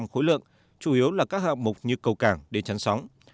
khối lượng chủ yếu là các hạng mục như cầu càng đê chăn sóng